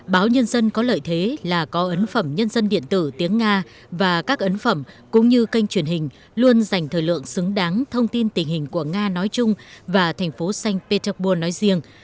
báo nhân dân có lợi thế là có ấn phẩm nhân dân điện tử tiếng nga và các ấn phẩm cũng như kênh truyền hình luôn dành thời lượng xứng đáng thông tin tình hình của nga nói chung và thành phố sanh petersburg nói riêng